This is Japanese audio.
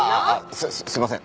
すすいません。